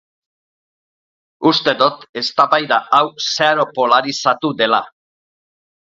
Uste dut eztabaida hau zeharo polarizatu dela.